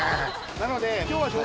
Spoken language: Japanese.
なので。